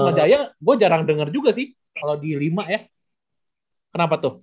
atmajaya gue jarang denger juga sih kalo di lima ya kenapa tuh kira kira